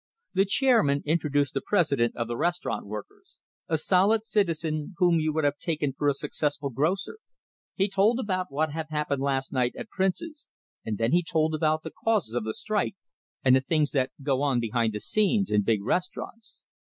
The chairman introduced the president of the Restaurant Workers, a solid citizen whom you would have taken for a successful grocer. He told about what had happened last night at Prince's; and then he told about the causes of the strike, and the things that go on behind the scenes in big restaurants.